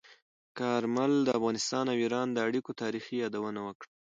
کارمل د افغانستان او ایران د اړیکو تاریخي یادونه وکړه.